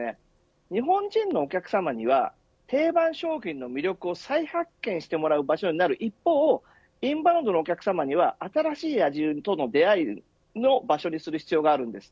日本人のお客さまには定番商品の魅力を再発見してもらう場所になる一方インバウンドのお客様には新しい味との出会いの場所にする必要があるんです。